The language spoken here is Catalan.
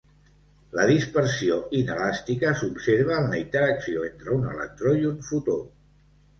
La dispersió inelàstica s'observa en la interacció entre un electró i un fotó.